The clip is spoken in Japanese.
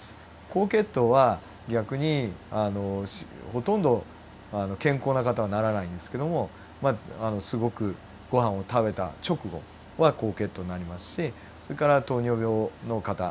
高血糖は逆にほとんど健康な方はならないんですけどもまあすごくごはんを食べた直後は高血糖になりますしそれから糖尿病の方。